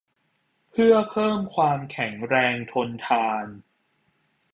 เพื่อเพิ่มความแข็งแรงทนทาน